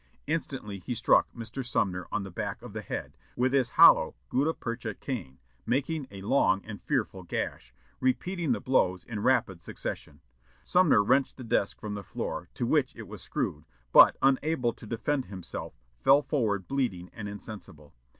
Instantly he struck Mr. Sumner on the back of the head, with his hollow gutta percha cane, making a long and fearful gash, repeating the blows in rapid succession. Sumner wrenched the desk from the floor, to which it was screwed, but, unable to defend himself, fell forward bleeding and insensible.